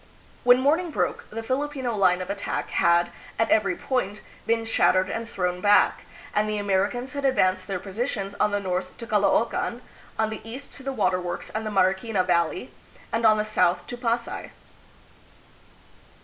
When morning broke, the Filipino line of attack had, at every point, been shattered and thrown back, and the Americans had advanced their positions on the north to Caloocan, on the east to the Water Works and the Mariquina Valley, and on the south to Pasay.